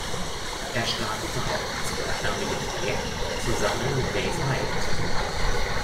Er startete auch das gleichnamige Projekt zusammen mit Dave Hyatt.